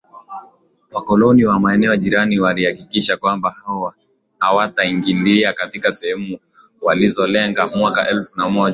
wakoloni wa maeneo jirani walihakikisha kwamba hao hawataingilia katika sehemu walizolengaMwaka elfu moja